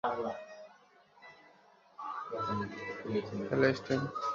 Hello, স্ট্যান।